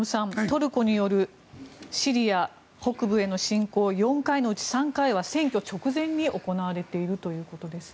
トルコによるシリア北部への侵攻４回のうち３回は選挙直前に行われているということです。